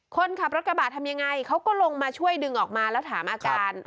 คนขับรถกระบะทำยังไงเขาก็ลงมาช่วยดึงออกมาแล้วถามอาการ